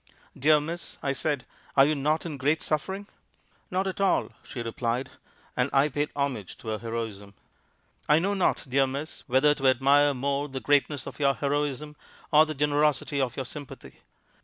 "'Dear miss,' I said, 'are you not in great suffering?' 'Not at all,' she replied, and I paid homage to her heroism. 'I know not, dear miss, whether to admire more the greatness of your heroism or the generosity of your sympathy.